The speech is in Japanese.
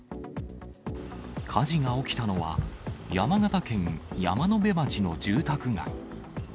火事が起きたのは、山形県山辺町の住宅街。